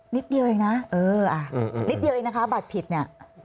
นิดเดียวเองนะเออนิดเดียวเองนะคะบัตรผิดเนี่ย